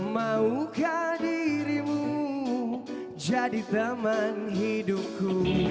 maukah dirimu jadi teman hidupku